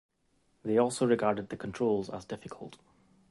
They also regarded the controls as difficult.